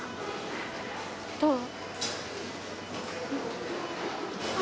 どう？